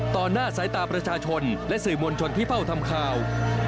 หน้าสายตาประชาชนและสื่อมวลชนที่เฝ้าทำข่าว